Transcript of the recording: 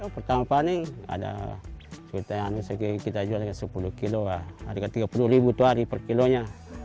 pertama kali ini kita jual sepuluh kilo harga tiga puluh ribu per kilonya